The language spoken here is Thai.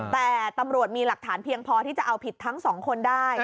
แต่ตำรวจมีหลักฐานเพียงพอที่จะเอาผิดทั้งสองคนได้